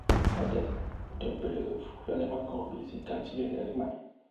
Durante este último periodo, fungió además como Vicecanciller de Alemania.